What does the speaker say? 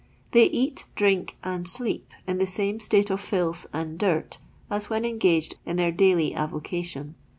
They eat, drink, and sleep in the samo state of filth and dirt as when engaged in their daily avocation.